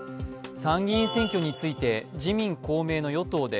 参議院選挙について、自民・公明の与党で